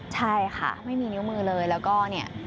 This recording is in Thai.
ใช่ค่ะไม่มีนิ้วมือเลยแล้วก็เนี่ย